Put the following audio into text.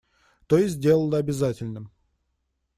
То есть сделала обязательным.